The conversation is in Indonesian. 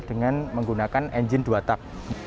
dengan menggunakan engine dua tak